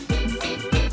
terima kasih bang